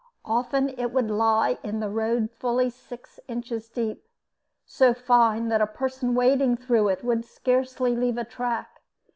Often it would lie in the road fully six inches deep, so fine that a person wading through it would scarcely leave a track.